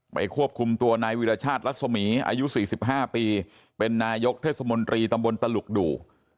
ควบคุมตัวนายวิรชาติรัศมีอายุ๔๕ปีเป็นนายกเทศมนตรีตำบลตลุกดู